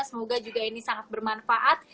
semoga juga ini sangat bermanfaat